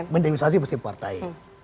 mendemisasi mesin partai